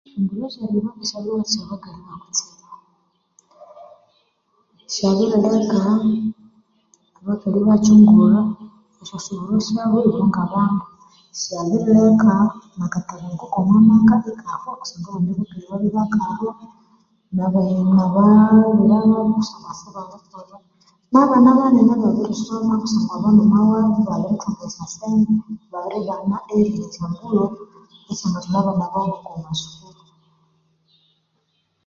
Syabirileka abakali ibakyungulha esyasuburo syabo ibo ngabandu, syabirileka akatabanguko komwa maka kusangwa abandi bakali babya bakalhwa nabira babo kusangwa sibali kolha, nabana banene babirisoma busana aba mama wabo babirithunga esyo sente babiri bana esyambulho esyangathwalha abana babo boko ma sukuru.